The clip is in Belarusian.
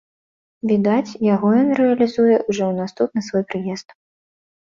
Відаць, яго ён рэалізуе ўжо ў наступны свой прыезд.